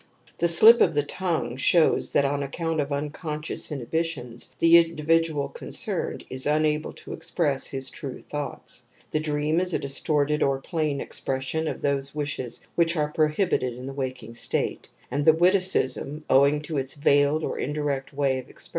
The slip of the tongue shows that on account of unconscious inhibitions the indi vidual concerned is unable to express his true thoughts ; thec^ream is a distorted or plain expression of those wishes which are prohibited in the waking states, and the witticism, owing to its veiled or indirect way of expression, * The Paychopaihology of Everyday Life, translated by A.